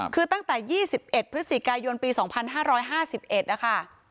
คือตั้งแต่๒๑พฤศจิกายนปี๒๕๕๑นะคะ